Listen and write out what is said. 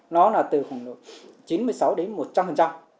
nó là từ khoảng độ chín mươi sáu đến một trăm linh